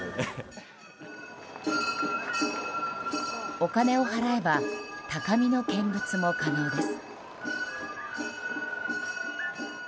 お金を払えば高みの見物も可能です。